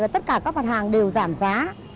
tất cả các mặt hàng đều giảm giá